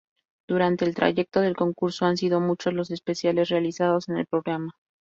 Durante el trayecto del concurso, han sido muchos los especiales realizados en el programa.